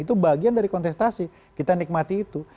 itu bagian dari kontestasi kita nikmati itu